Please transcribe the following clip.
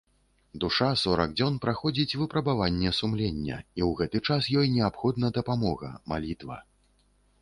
Душа сорак дзён праходзіць выпрабаванне сумлення, і ў гэты час ёй неабходна дапамога, малітва.